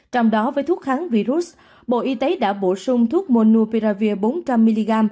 trong đó với thuốc kháng virus bộ y tế đã bổ sung thuốc monupiravir bốn trăm linh mg